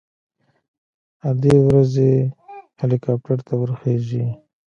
ادې ورځي هليكاپټر ته ورخېژي.